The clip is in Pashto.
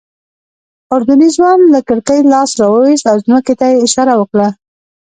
اردني ځوان له کړکۍ لاس راوویست او ځمکې ته یې اشاره وکړه.